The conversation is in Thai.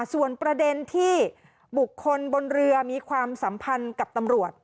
ส่วนประเด็นที่บุคคลบนเรือมีความสัมพันธ์กับตำรวจ